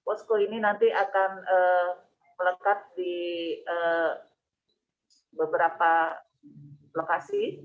posko ini nanti akan melekat di beberapa lokasi